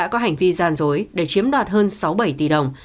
có hành vi gian dối để chiếm đoạt hơn sáu bảy tỷ đồng